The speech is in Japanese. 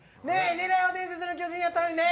狙いは伝説の巨人やったのにね。